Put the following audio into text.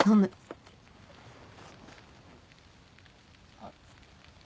あっ。